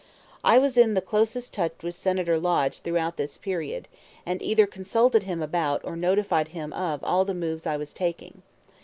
I was in the closest touch with Senator Lodge throughout this period, and either consulted him about or notified him of all the moves I was taking.